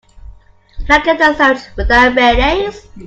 Can I get the sandwich without mayonnaise?